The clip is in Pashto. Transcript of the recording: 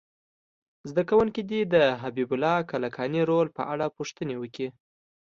زده کوونکي دې د حبیب الله کلکاني رول په اړه پوښتنې وکړي.